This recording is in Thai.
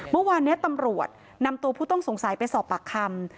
เมื่อวานนี้ตำรวจนำตัวผู้ต้องสงสัยไปสอบปากคำ